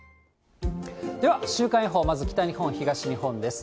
では、週間予報、まず北日本、東日本です。